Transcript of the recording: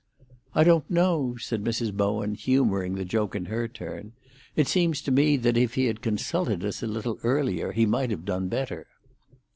"I don't know," said Mrs. Bowen, humouring the joke in her turn. "It seems to me that if he had consulted us a little earlier, he might have done better."